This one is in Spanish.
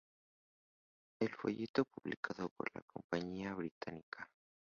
El folleto publicado por la compañía británica.